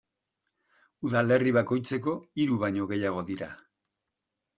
Udalerri bakoitzeko hiru baino gehiago dira.